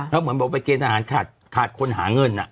แล้วเหมือนบอกไปเกณฑ์อาหารขาดคนหาเงิน